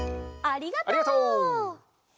ありがとう！